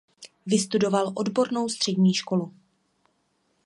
Vystudoval odbornou střední školu.